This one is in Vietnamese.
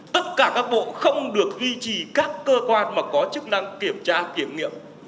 tất cả các bộ không được duy trì các cơ quan mà có chức năng kiểm tra kiểm nghiệm